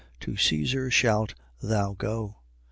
To Caesar shalt thou go.